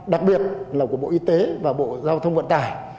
đặc biệt là của bộ y tế và bộ giao thông vận tải